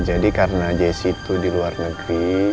jadi karena jessy itu di luar negeri